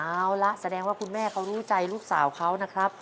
เอาละแสดงว่าคุณแม่เขารู้ใจลูกสาวเขานะครับ